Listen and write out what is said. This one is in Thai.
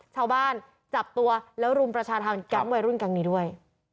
ชาวบ้านจับตัวและรุมประชาธารกรรมวัยรุ่นกันด้วย